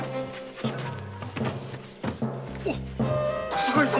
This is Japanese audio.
小堺様！？